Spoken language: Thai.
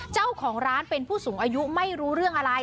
เจ้าของร้านเป็นผู้สูงอายุไม่รู้เรื่องอะไร